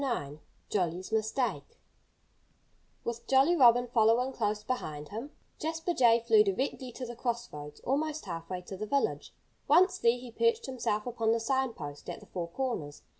IX JOLLY'S MISTAKE With Jolly Robin following close behind him, Jasper Jay flew directly to the crossroads, almost half way to the village. Once there, he perched himself upon the sign post at the four corners.